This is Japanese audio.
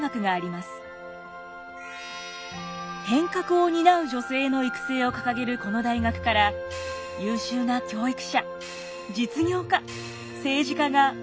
変革を担う女性の育成を掲げるこの大学から優秀な教育者実業家政治家が大勢輩出されています。